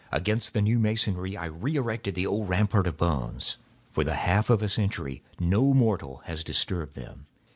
Against the new masonry I re erected the old rampart of bones. For the half of a century no mortal has disturbed them.